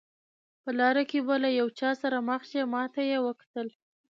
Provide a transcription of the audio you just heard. په لاره کې به له یو چا سره مخ شئ، ما ته یې وکتل.